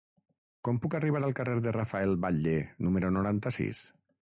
Com puc arribar al carrer de Rafael Batlle número noranta-sis?